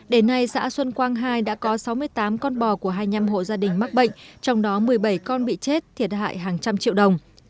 đến nay xã xuân quang hai đã có sáu mươi tám con bò của hai mươi năm hộ gia đình mắc bệnh trong đó một mươi bảy con bị chết thiệt hại hàng trăm triệu đồng